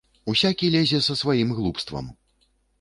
Усякі лезе са сваім глупствам!